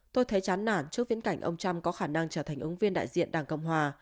tôi thấy chán nản trước viễn cảnh ông trump có khả năng trở thành ứng viên đại diện đảng cộng hòa